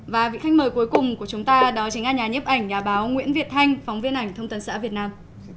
và vị khách mời cuối cùng của chúng ta đó chính là nhà nhếp ảnh nhà báo nguyễn việt thanh phóng viên ảnh thông tấn xã việt nam